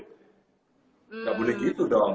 nggak boleh gitu dong